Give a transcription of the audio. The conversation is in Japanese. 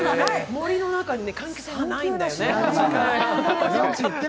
森の中に換気扇がないんだよね。